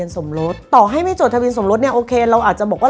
สมรสเนี่ยโอเคเราอาจจะบอกว่า